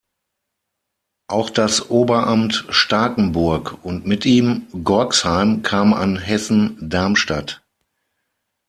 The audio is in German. Auch das Oberamt Starkenburg und mit ihm Gorxheim kam an Hessen-Darmstadt.